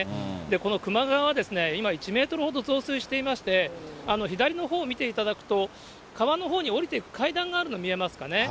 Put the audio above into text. この球磨川は、今、１メートルほど増水していまして、左のほうを見ていただくと、川のほうに下りていく階段があるの、見えますかね。